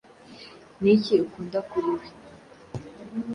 Niki ukunda kuri we?